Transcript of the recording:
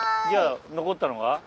じゃあ残ったのが？